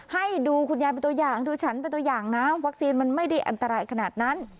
ให้ดูคุณยายเป็นตัวอย่างดูฉันเป็นตัวอย่างนะวัคซีนมันไม่ได้อันตรายขนาดนั้น